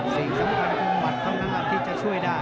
สิ่งสำคัญคือหมัดเขาข้างหลังที่จะช่วยได้